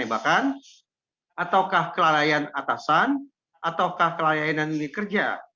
ini bahkan ataukah kelalaian atasan ataukah kelalaian yang menilai kerja